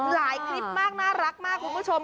หลายคลิปมากน่ารักมากคุณผู้ชม